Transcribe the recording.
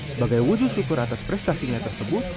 sebagai wujud syukur atas prestasinya tersebut